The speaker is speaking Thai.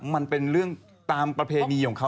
มันเป็นเรื่องตามประเพณีของเขา